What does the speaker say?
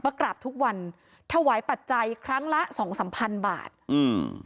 กราบทุกวันถวายปัจจัยครั้งละสองสามพันบาทอืม